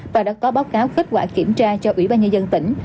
và đã có báo cáo kết quả kiểm tra cho ủy ban nhân dân tỉnh